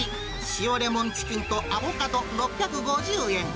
塩レモンチキンとアボカド６５０円。